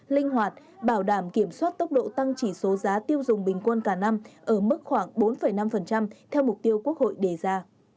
linh hoạt bảo đảm kiểm soát tốc độ tăng chỉ số giá tiêu dùng bình quân cả năm ở mức khoảng bốn năm theo mục tiêu quốc hội đề ra